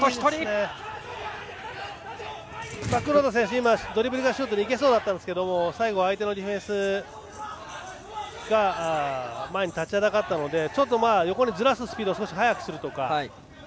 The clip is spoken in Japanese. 黒田選手、今ドリブルからシュートにいけそうでしたが最後、相手のディフェンスが前に立ちはだかったのでちょっと横にずらすスピードを速くするとか。